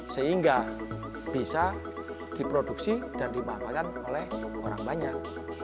sehingga bisa diproduksi dan dimanfaatkan oleh orang banyak